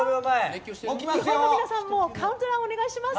日本の皆さんもカウントダウンお願いします。